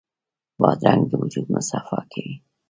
بادرنګ د وجود مصفا کوي.